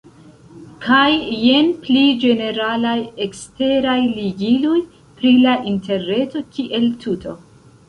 Kaj jen pli ĝeneralaj eksteraj ligiloj pri la interreto kiel tuto.